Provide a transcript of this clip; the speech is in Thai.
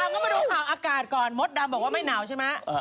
ก็มาดูข่าวอากาศก่อนมดดำบอกว่าไม่หนาวใช่ไหม